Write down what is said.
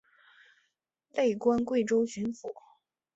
累官贵州巡抚。